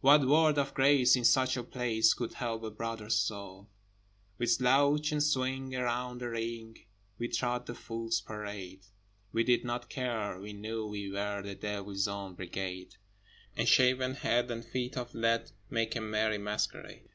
What word of grace in such a place Could help a brother's soul? With slouch and swing around the ring We trod the Fool's Parade! We did not care: we knew we were The Devil's Own Brigade: And shaven head and feet of lead Make a merry masquerade.